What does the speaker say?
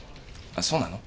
あそうなの？